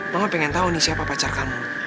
mama pengen tahu nih siapa pacar kamu